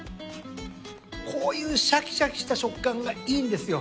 こういうシャキシャキした食感がいいんですよ。